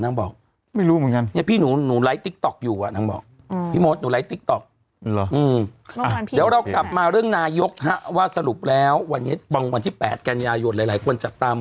แต่เห็นเมื่อวันไทยรัดิวโชว์